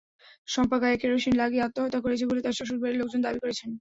শম্পা গায়ে কেরোসিন লাগিয়ে আত্মহত্যা করেছে বলে তার শ্বশুরবাড়ির লোকজন দাবি করেছেন।